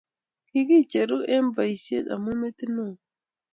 Kikicheru eng boisie amu metit ne oo.